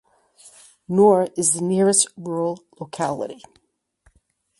Nur is the nearest rural locality.